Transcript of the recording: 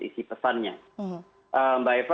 isi pesannya mbak eva